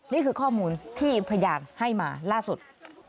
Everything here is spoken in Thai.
นี่คือข้อมูลที่พยานให้มาล่าสุด